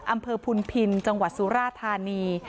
อำเภอพุนพินจังหวัดสุราธานี